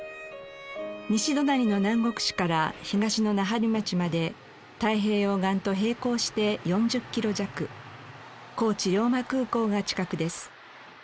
西隣の南国市から東の奈半利町まで太平洋岸と並行して４０キロ弱高知龍馬空港が近くです。